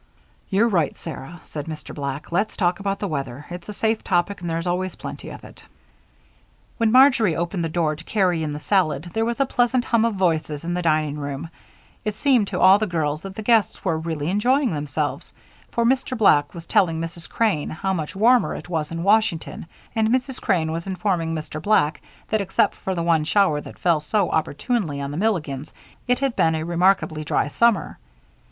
"You're right, Sarah," said Mr. Black. "Let's talk about the weather. It's a safe topic and there's always plenty of it." When Marjory opened the door to carry in the salad there was a pleasant hum of voices in the dining room. It seemed to all the girls that the guests were really enjoying themselves, for Mr. Black was telling Mrs. Crane how much warmer it was in Washington, and Mrs. Crane was informing Mr. Black that, except for the one shower that fell so opportunely on the Milligans, it had been a remarkably dry summer.